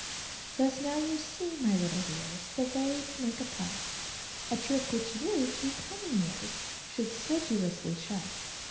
Thus now you see, my little dears, the way to make a pun; A trick which you, through coming years, should sedulously shun.